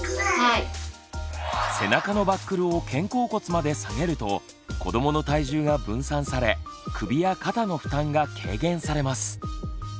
背中のバックルを肩甲骨まで下げると子どもの体重が分散され首や肩の負担が軽減されます。